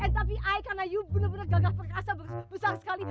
tapi ayu bener bener gagal perasa besar sekali